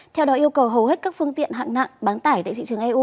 theo đó yêu cầu hầu hết các phương tiện hạng nặng bán tải tại thị trường eu